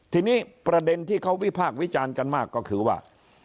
ทีนี้ประเด็นที่เขาวิพากษ์วิจารณ์กันมากก็คือว่า